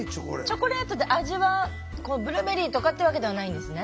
チョコレートで味はブルーベリーとかってわけではないんですね。